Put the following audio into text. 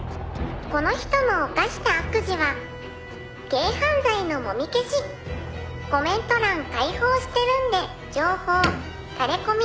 「この人の犯した悪事は軽犯罪のもみ消し」「コメント欄開放してるんで情報タレコミ